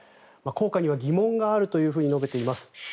効果には疑問があると述べています。